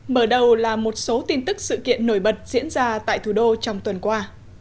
mở đầu là một số tin tức sự kiện nổi bật diễn ra tại thủ đô trong tuần qua